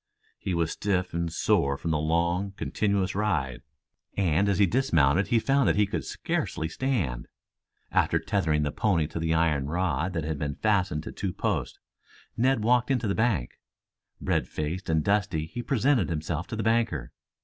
He was stiff and sore from the long, continuous ride, and as he dismounted he found that he could scarcely stand. After tethering the pony to the iron rod that had been fastened to two posts, Ned walked into the bank. Red faced and dusty he presented himself to the banker.